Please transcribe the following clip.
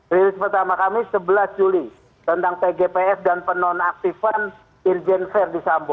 rilis pertama kami sebelas juli tentang tgpf dan penonaktifan irjen verdi sambo